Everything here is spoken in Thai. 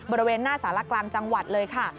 บริเวณหน้าสารกลางจังหวัดเลยค่ะ